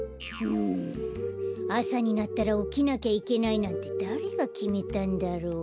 んあさになったらおきなきゃいけないなんてだれがきめたんだろう。